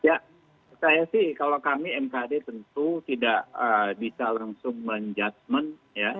ya saya sih kalau kami mkd tentu tidak bisa langsung menjudgement ya